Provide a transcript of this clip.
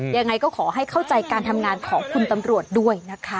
ยังไงก็ขอให้เข้าใจการทำงานของคุณตำรวจด้วยนะคะ